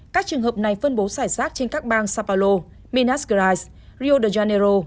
các trường hợp này phân bố xảy sát trên các bang sao paulo minas gerais rio de janeiro